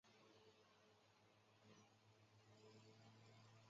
马录为正德三年戊辰科三甲进士。